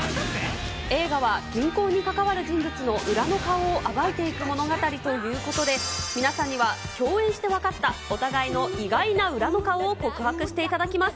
映画は、銀行に関わる人物の裏の顔を暴いていく物語ということで、皆さんには、共演して分かったお互いの意外な裏の顔を告白していただきます。